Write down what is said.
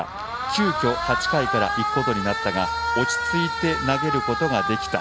急きょ８回から行くことになったが落ち着いて投げることができた。